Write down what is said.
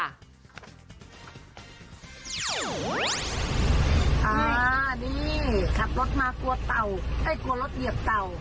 อ่านี่ขับรถมากลัวเต่าไม่กลัวรถเหยียบเต่า